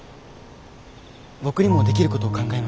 僕にもできることを考えます。